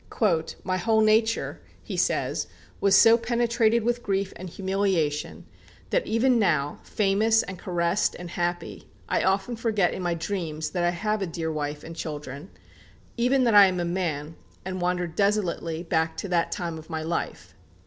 "My whole nature," he says, "was so penetrated with grief and humiliation, ... that even now, famous and caressed and happy, I often forget in my dreams that I have a dear wife and children; even that I am a man, and wander desolately back to that time of my life."